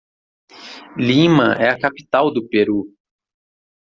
Lima é a capital do Peru.